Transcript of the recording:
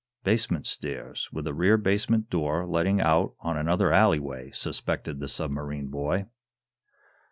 "Basement stairs, with a rear basement door letting out on another alleyway!" suspected the submarine boy.